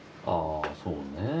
ああそうね。